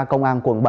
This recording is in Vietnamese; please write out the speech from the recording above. công an quận bảy